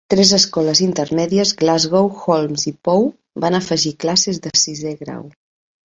Tres escoles intermèdies, Glasgow, Holmes i Poe, van afegir classes de sisè grau.